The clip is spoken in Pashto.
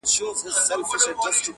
چي اَیینه وي د صوفي او میخوار مخ ته-